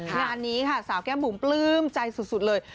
งานนี้ค่ะสาวแก้มบุ๋มปลื้มใจสุดเลย